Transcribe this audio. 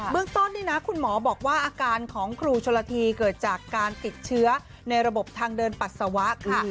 เมืองต้นนี่นะคุณหมอบอกว่าอาการของครูชนละทีเกิดจากการติดเชื้อในระบบทางเดินปัสสาวะค่ะ